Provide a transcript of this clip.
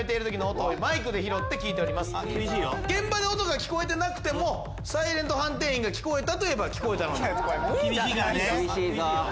現場で音が聞こえてなくてもサイレント判定員が聞こえたと言えば聞こえたことに。